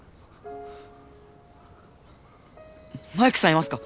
マイクさんいますか？